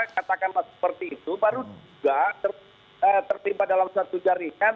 katakan seperti itu baru saja terlibat dalam suatu jaringan